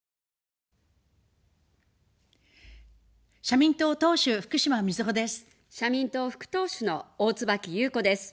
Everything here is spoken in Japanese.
社民党副党首の大椿ゆうこです。